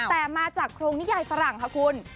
แต่มาจากโครงนิยายฝรั่งค่ะคุณ